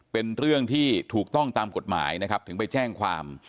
เป็นเรื่องที่ถูกต้องตามกฎหมายนะครับถึงไปแจ้งความ